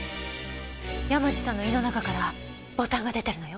山路さんの胃の中からボタンが出てるのよ。